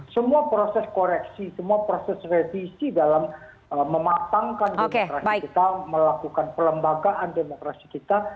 semua proses koreksi semua proses revisi dalam mematangkan demokrasi kita melakukan pelembagaan demokrasi kita